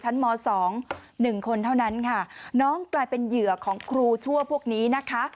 มสองหนึ่งคนเท่านั้นค่ะน้องกลายเป็นเหยื่อของครูชั่วพวกนี้นะคะ